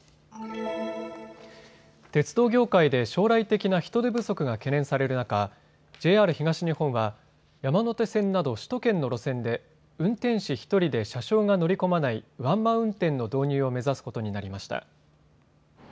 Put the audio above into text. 鉄道業界で将来的な人手不足が懸念される中、ＪＲ東日本は山手線など首都圏の路線で運転士１人で車掌が乗り込まないワンマン運転の導入を目指すことになりました。